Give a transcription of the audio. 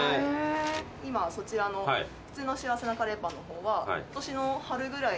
今そちらの普通のしあわせなカレーパンの方は。